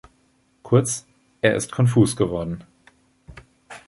Kurz, er ist konfus geworden.